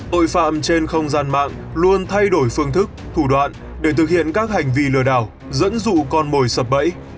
tội phạm trên không gian mạng luôn thay đổi phương thức thủ đoạn để thực hiện các hành vi lừa đảo dẫn dụ con mồi sập bẫy